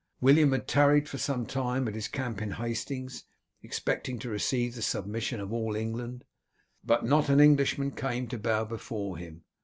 William had tarried for some time at his camp at Hastings, expecting to receive the submission of all England. But not an Englishman came to bow before him.